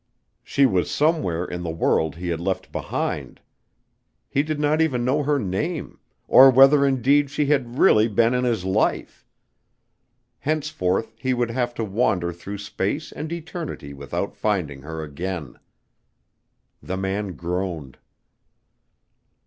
She was somewhere in the world he had left behind. He did not even know her name, or whether indeed she had really been in his life. Henceforth he would have to wander through space and eternity without finding her again. The man groaned.